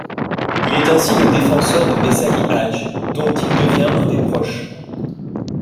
Il est ainsi le défenseur de Messali Hadj, dont il devient un des proches.